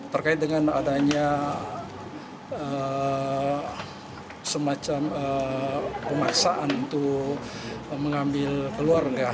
terkait dengan adanya semacam pemaksaan untuk mengambil keluarga